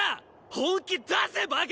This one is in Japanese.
本気出せバカ！